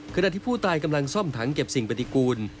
ขณะที่ผู้ตายกำลังซ่อมถังเก็บสิ่งปฏิกูล